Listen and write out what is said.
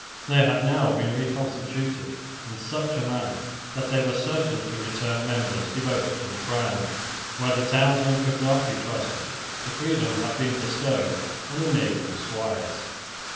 They had now been reconstituted in such a manner that they were certain to return members devoted to the crown. Where the townsmen could not be trusted, the freedom had been bestowed on the neighbouring squires.